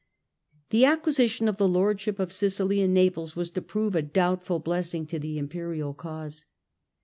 The acquisition of the lordship of Sicily and Naples was to prove a doubtful blessing to the Imperial cause.